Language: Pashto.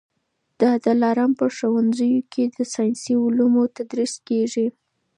د دلارام په ښوونځیو کي د ساینسي علومو تدریس کېږي